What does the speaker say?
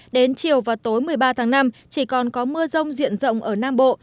đến chiều và tối một mươi ba tháng năm chỉ còn có mưa rông diện rộng ở nam bộ